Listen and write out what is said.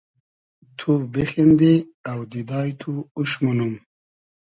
تو بیخیندی اۆدیدای تو اوش مونوم